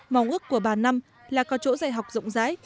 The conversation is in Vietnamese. mong ước của bà năm là có chỗ dạy học rộng rãi